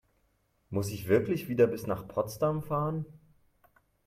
Muss ich wirklich wieder bis nach Potsdam fahren?